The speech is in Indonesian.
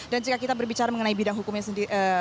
dan jika kita berbicara mengenai bidang hukumnya sendiri